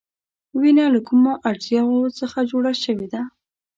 وینه له کومو اجزاوو څخه جوړه شوې ده؟